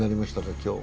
今日。